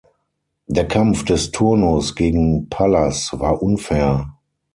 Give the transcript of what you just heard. Der Kampf des Turnus gegen Pallas war unfair.